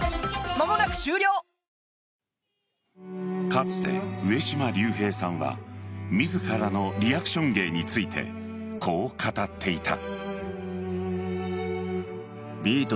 かつて上島竜兵さんは自らのリアクション芸についてこう語っていた。